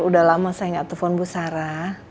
udah lama saya gak telfon bu sara